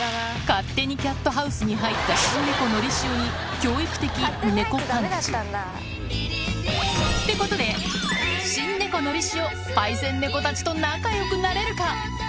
勝手にキャットハウスに入った新猫のりしおに、教育的猫パンチ。ってことで、新猫のりしお、パイセン猫たちと仲よくなれるか？